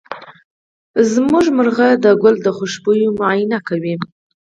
زمونږ مرغه د ګل د خوشبو معاینه کوي.